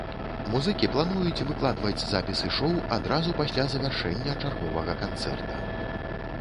Музыкі плануюць выкладваць запісы шоў адразу пасля завяршэння чарговага канцэрта.